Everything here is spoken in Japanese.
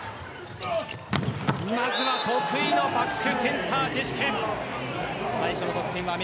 まずは得意のバックセンタージェシュケ。